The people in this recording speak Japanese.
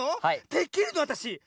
できるのわたし？